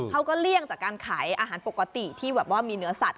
เขาก็เลี่ยงจากการขายอาหารปกติที่มีเนื้อสัตว์